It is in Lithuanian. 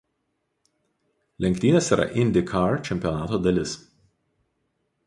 Lenktynės yra IndyCar čempionato dalis.